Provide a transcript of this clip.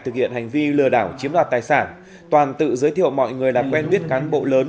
thực hiện hành vi lừa đảo chiếm đoạt tài sản toàn tự giới thiệu mọi người làm quen biết cán bộ lớn